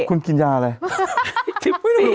คุณกินยาอะไร